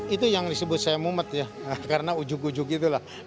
itu yang disebut saya mumet ya karena ujug ujug itulah